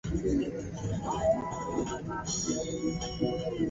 Sikutaka kulipa pesa